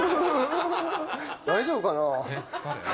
大丈夫かなぁ？